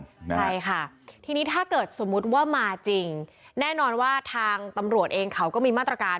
ใช่ค่ะทีนี้ถ้าเกิดสมมุติว่ามาจริงแน่นอนว่าทางตำรวจเองเขาก็มีมาตรการ